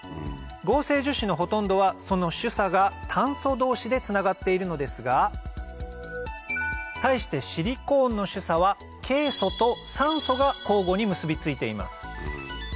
合成樹脂のほとんどはその主鎖が炭素同士でつながっているのですが対してシリコーンの主鎖はケイ素と酸素が交互に結び付いています